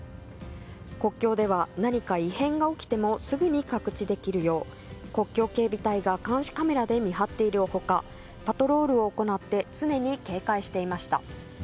国境では何か異変が起きてもすぐに覚知できるよう国境警備隊が監視カメラで見張っている他パトロールを行って常に警戒していました。